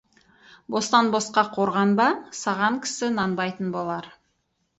Бостан-босқа қорғанба, саған кісі нанбайтын болар.